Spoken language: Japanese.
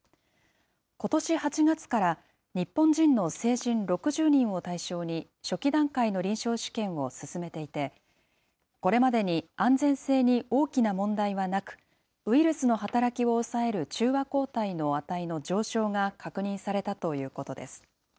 ことし８月から日本人の成人６０人を対象に、初期段階の臨床試験を進めていて、これまでに安全性に大きな問題はなく、ウイルスの働きを抑える中和抗体の値の上昇が確認されたということです。